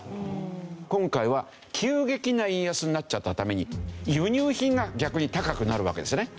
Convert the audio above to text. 今回は急激な円安になっちゃったために輸入品が逆に高くなるわけですよね。